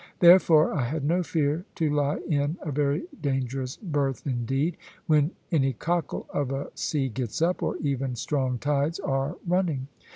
Therefore, I had no fear to lie in a very dangerous berth indeed, when any cockle of a sea gets up, or even strong tides are running.